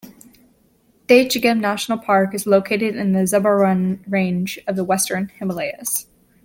Dachigam National park is located in the Zabarwan Range of the western Himalayas.